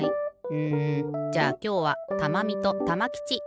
うんじゃあきょうはたまみとたまきちいってくれ。